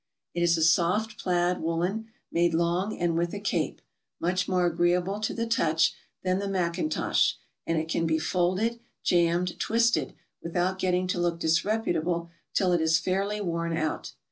It is a soft plaid woolen, made long and with a cape, much more agreeable to the touch than the mackintosh, and it can be folded, jammed, twisted, without getting to look disreputable till it is fairly worn out.